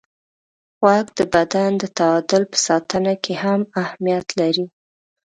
غوږ د بدن د تعادل په ساتنه کې هم اهمیت لري.